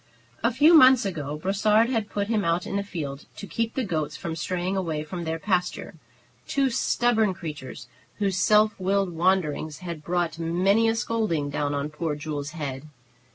A few months ago Brossard had put him out in the field to keep the goats from straying away from their pasture, two stubborn creatures, whose self willed wanderings had brought many a scolding down on poor Jules's head.